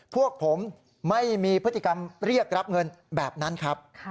พวกผมไม่มีพฤติกรรมเรียกรับเงินแบบนั้นครับ